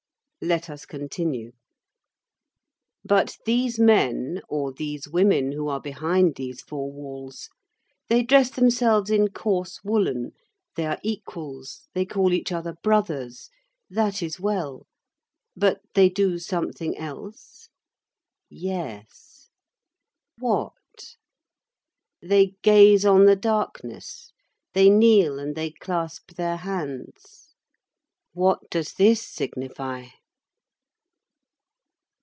Let us continue. But these men, or these women who are behind these four walls. They dress themselves in coarse woollen, they are equals, they call each other brothers, that is well; but they do something else? Yes. What? They gaze on the darkness, they kneel, and they clasp their hands. What does this signify?